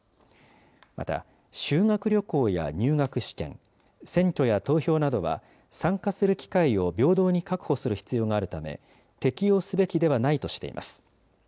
また、修学旅行や入学試験、選挙や投票などは、参加する機会を平等に確保する必要があるため、適用すべきではないとしています。